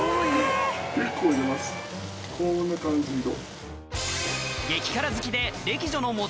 こんな感じ色。